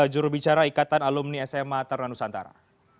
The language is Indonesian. jurubicara ikatan alumni sma tarnanusantara